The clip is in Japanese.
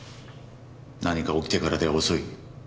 何か起きてからでは遅い。